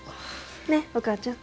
ねっお母ちゃん。